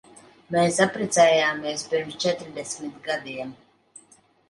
Mēs apprecējāmies pirms četrdesmit gadiem.